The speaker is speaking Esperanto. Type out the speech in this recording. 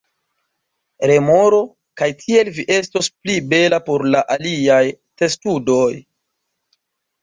Remoro: "Kaj tiel vi estos pli bela por la aliaj testudoj."